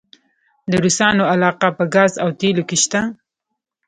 د روسانو علاقه په ګاز او تیلو کې شته؟